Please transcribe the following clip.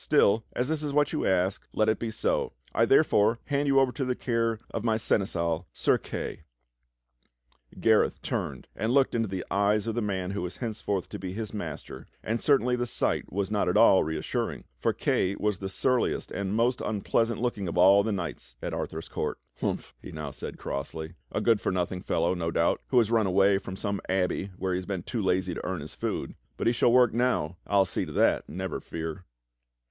Still, as this is what you ask, let it be so. I therefore hand you over to the care of my Seneschal, Sir Kay." Gareth turned and looked into the eyes of the man who was henceforth to be his master, and certainly the sight was not at all reassuring, for Kay was the surliest and most unpleasant looking of all the knights at Arthur's court. "Humph!" he now said crossly. "A good for nothing fellow, no doubt, who has run away from some abbey where he was too lazy to earn his food. But he shall work now. I'll see to that, never fear!"